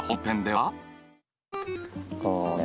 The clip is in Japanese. はい。